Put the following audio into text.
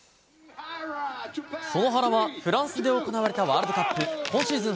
その原は、フランスで行われたワールドカップ今シーズン